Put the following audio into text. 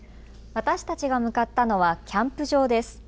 私たちが向かったのはキャンプ場です。